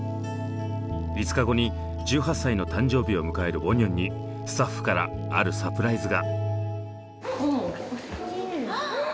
５日後に１８歳の誕生日を迎えるウォニョンにスタッフからあるサプライズが。